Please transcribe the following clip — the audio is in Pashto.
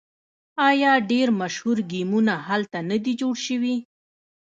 آیا ډیر مشهور ګیمونه هلته نه دي جوړ شوي؟